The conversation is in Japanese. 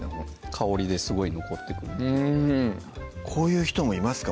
香りですごい残ってくるっていうこういう人もいますか？